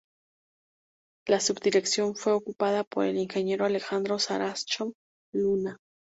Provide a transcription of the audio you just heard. La Subdirección fue ocupada por el Ing. Alejandro Saracho Luna.